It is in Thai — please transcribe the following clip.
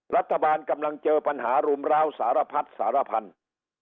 รัฐบาลกำลังเจอปัญหารุมร้าวสารพัดสารพันธุ์